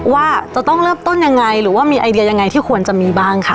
ว่าจะต้องเริ่มต้นยังไงหรือว่ามีไอเดียยังไงที่ควรจะมีบ้างค่ะ